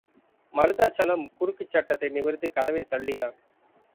மருதாசலம் குறுக்குச் சட்டத்தை நிமிர்த்திக் கதவைத் தள்ளினான்.